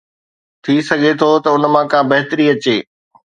ٿي سگهي ٿو ته ان مان ڪا بهتري اچي.